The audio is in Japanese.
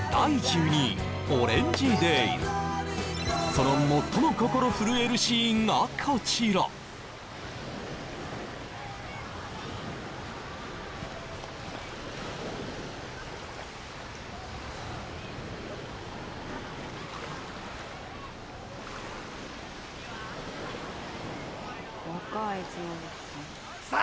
その最も心震えるシーンがこちら沙絵！